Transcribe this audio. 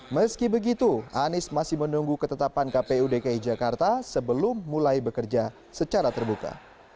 meski begitu anies masih menunggu ketetapan kpu dki jakarta sebelum mulai bekerja secara terbuka